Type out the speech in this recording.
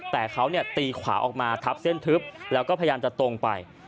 แต่เขาตีขวาออกมาทับเส้นทึบแล้วก็พยายามจะตรงไป